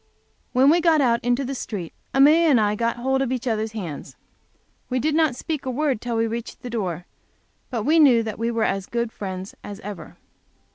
When we got out into the street, Amelia and I got hold of each other's hands. We did not speak a word till we reached the door, but we knew that we were as good friends as ever.